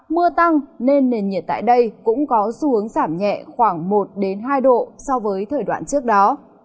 mưa tăng nên nền nhiệt tại đây cũng có xu hướng giảm nhẹ khoảng một hai độ so với thời đoạn trước đó